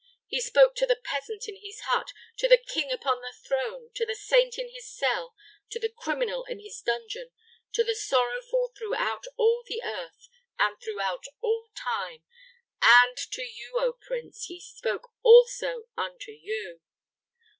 He spoke to the peasant in his hut, to the king upon his throne, to the saint in his cell, to the criminal in his dungeon, to the sorrowful throughout all the earth, and throughout all time; and to you, oh prince He spoke also unto you!